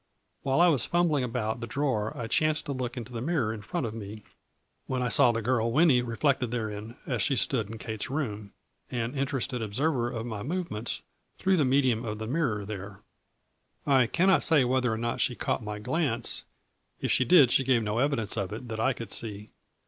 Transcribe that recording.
While I was fumbling about A FLURRY IN DIAMONDS. 19 $ the drawer I chanced to look into the mirror in front of me, when I saw the girl Winnie re flected therein as she stood in Kate's room, an interested observer of my movements through the medium of the mirror there. I cannot say whether or not she caught my glance, if she did she gave no evidence of it, that I could see.